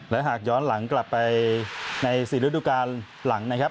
และหากย้อนหลังกลับไปใน๔ฤดูการหลังนะครับ